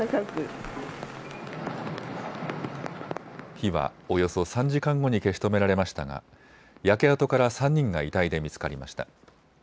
火はおよそ３時間後に消し止められましたが焼け跡から３人が遺体で見つかりました。